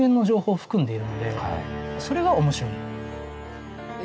それが面白い。